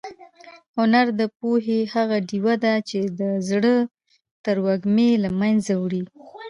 هنر د پوهې هغه ډېوه ده چې د زړه تروږمۍ له منځه وړي.